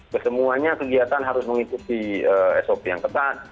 kesemuanya kegiatan harus mengikuti sop yang ketat